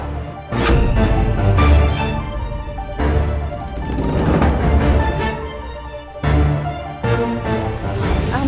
lalu dia menangis